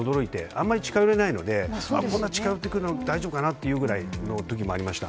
あんまり近寄れないのでこんな近寄ってくるの大丈夫かなという時もありました。